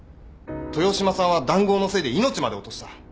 豊島さんは談合のせいで命まで落とした。